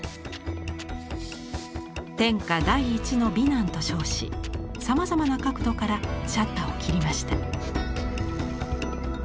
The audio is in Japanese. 「天下第一の美男」と称しさまざまな角度からシャッターを切りました。